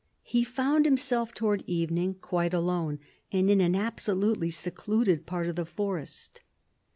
He found himself towards evening quite alone, and in an absolutely secluded part of the forest.